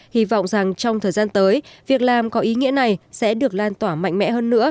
hy vọng rằng trong thời gian tới việc làm có ý nghĩa này sẽ được lan tỏa mạnh mẽ hơn nữa